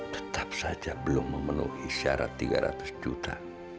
tetap saja belum memenuhi syarat tiga ratus juta